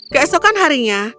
ke esokan harinya